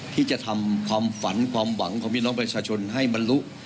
ที่จะทำความฝันความหวังของพี่น้องประชาชนให้บรรลุ